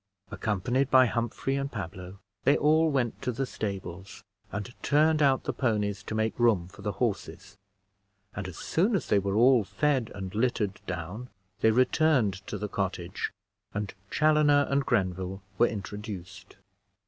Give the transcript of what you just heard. Accompanied by Humphrey and Pablo, they all went to the stables, and turned out the ponies to make room for the horses; and as soon as they were all fed and littered down, they returned to the cottage, and Chaloner and Grenville were introduced.